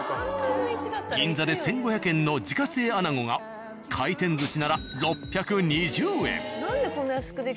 銀座で１５００円の自家製穴子が回転寿司なら６２０円。